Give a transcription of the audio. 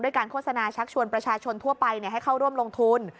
การโฆษณาชักชวนประชาชนทั่วไปให้เข้าร่วมลงทุน